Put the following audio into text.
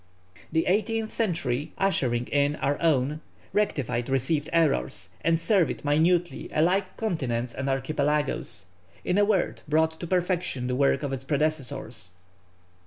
The eighteenth century, ushering in our own, rectified received errors, and surveyed minutely alike continents and archipelagoes; in a word brought to perfection the work of its predecessors.